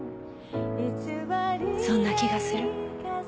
そんな気がする。